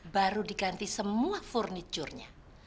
baru diganti semua furniture nya